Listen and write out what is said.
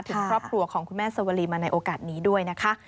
ถึงครอบครัวของคุณแม่สวรีมาในโอกาสนี้ด้วยนะคะ